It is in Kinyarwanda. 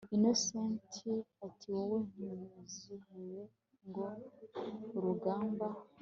Innocent atiwowe ntuzihebe ngo urugamba